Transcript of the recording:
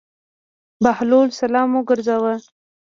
بهلول سلام وګرځاوه.